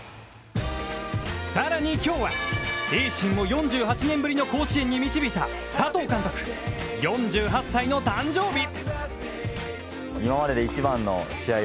さらにきょうは、盈進を４８年ぶりの甲子園に導いた、佐藤監督４８歳の誕生日。